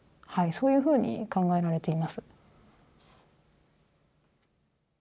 そういうふうに考えられています。